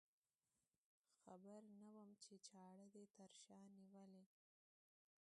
خبر نه وم چې چاړه دې تر شا نیولې.